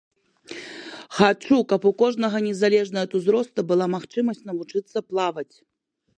Хачу, каб у кожнага незалежна ад узросту была магчымасць навучыцца плаваць!